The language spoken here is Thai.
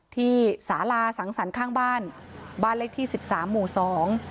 ที่สาลาสังสรรค์ข้างบ้านบ้านเลขที่สิบสามหมู่สอง